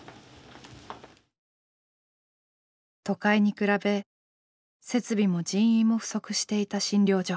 都会に比べ設備も人員も不足していた診療所。